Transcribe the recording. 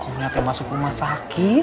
kok lihat ya masukuma sakit